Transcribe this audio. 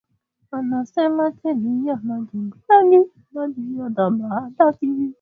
Anasema chini ya majengo mengi kuna njia za mahandaki